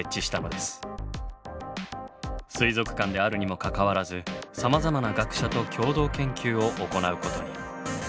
水族館であるにもかかわらずさまざまな学者と共同研究を行うことに。